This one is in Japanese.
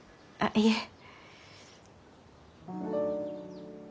あいえ。